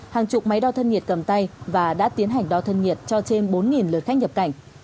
hàng chục máy đo thân nhiệt cầm tay và đã tiến hành đo thân nhiệt cho trên bốn lượt khách nhập cảnh